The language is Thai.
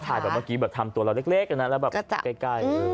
เขาถ่ายแบบเมื่อกี้แบบทำตัวเราเล็กอย่างนั้นแล้วแบบใกล้